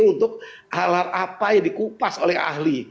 untuk hal hal apa yang dikupas oleh ahli